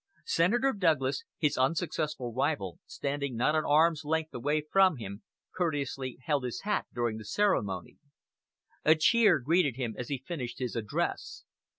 Senator Douglas, his unsuccessful rival, standing not an arm's length away from him, courteously held his hat during the ceremony. A cheer greeted him as he finished his address.